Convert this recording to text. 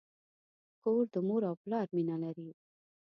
کور د مور او پلار مینه لري.